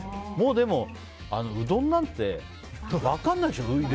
でも、うどんなんて分からないでしょ